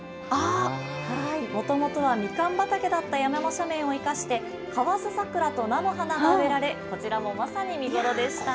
もともとはミカン畑だった山の斜面を生かして、河津桜と菜の花が植えられ、こちらもまさに見頃でした。